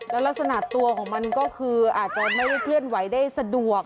แล้วลักษณะตัวของมันก็คืออาจจะไม่ได้เคลื่อนไหวได้สะดวก